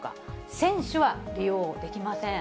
選手は利用できません。